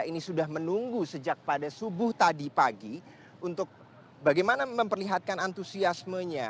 ini sudah menunggu sejak pada subuh tadi pagi untuk bagaimana memperlihatkan antusiasmenya